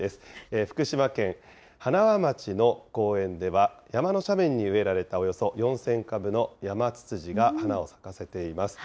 福島県塙町の公園では、山の斜面に植えられたおよそ４０００株のヤマツツジが花を咲かせています。